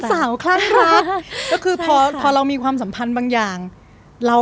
คลั่งรักก็คือพอพอเรามีความสัมพันธ์บางอย่างเรา